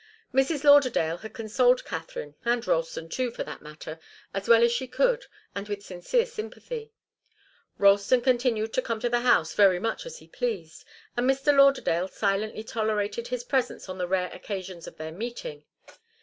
Mrs. Lauderdale had consoled Katharine, and Ralston too, for that matter, as well as she could, and with sincere sympathy. Ralston continued to come to the house very much as he pleased, and Mr. Lauderdale silently tolerated his presence on the rare occasions of their meeting.